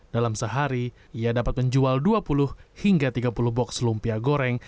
dalam sehari ia dapat menjual dua puluh hingga tiga puluh box lumpia goreng